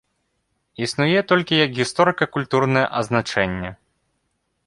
Існуе толькі як гісторыка-культурная азначэнне.